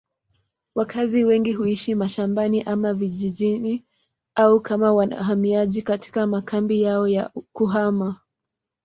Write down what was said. Wakazi wengi huishi mashambani ama vijijini au kama wahamiaji katika makambi yao ya kuhama.